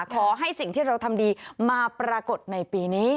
ขอให้สิ่งที่เราทำดีมาปรากฏในปีนี้